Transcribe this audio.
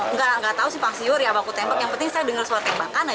nggak nggak tahu sih pangsi yuri apa aku tembak yang penting saya dengar suara tembakan aja